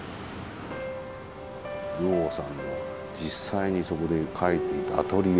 ルオーさんの実際にそこで描いていたアトリエ